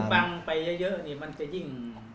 ฟังไปเยอะนี่มันจะยิ่ง